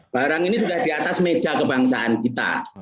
barang ini sudah di atas meja kebangsaan kita